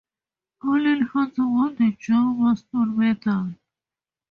Alan Hunter won the Joe Marston Medal.